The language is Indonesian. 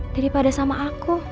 daripada sama aku